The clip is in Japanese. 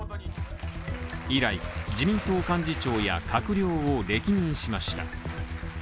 以来、自民党幹事長や閣僚を歴任しました。